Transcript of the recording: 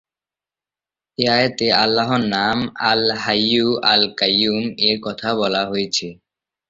এই আয়াতে আল্লাহর নাম "আল-হাইয়্যু", "আল-কাইয়ুম" এর কথা বলা হয়েছে।